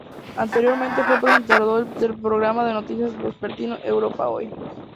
Anteriormente fue presentador del programa de noticias vespertino "Europa Hoy".